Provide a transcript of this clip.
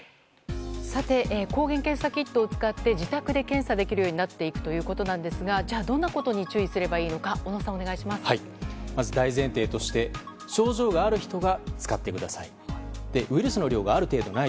抗原検査キットを使って自宅で検査できるようになっていくということですがどんなことに注意すればいいのか大前提として症状がある人が使ってください。